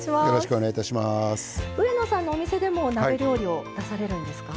上野さんのお店でも鍋料理を出されるんですか。